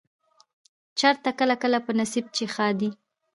چرته کله کله په نصيب چې ښادي